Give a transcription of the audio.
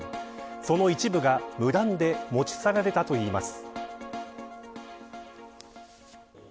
その一部が無断で持ち去られたといいます。